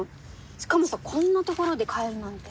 しかもさこんな所で買えるなんて。